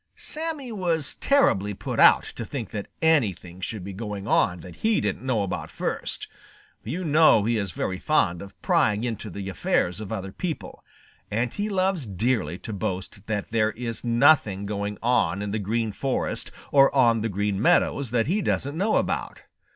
Sammy was terribly put out to think that anything should be going on that he didn't know about first. You know he is very fond of prying into the affairs of other people, and he loves dearly to boast that there is nothing going on in the Green Forest or on the Green Meadows that he doesn't know about.